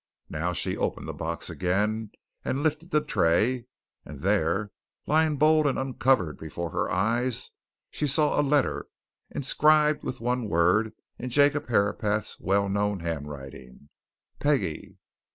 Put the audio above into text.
Now she opened the box again, and lifted the tray and there, lying bold and uncovered before her eyes, she saw a letter, inscribed with one word in Jacob Herapath's well known handwriting "Peggie."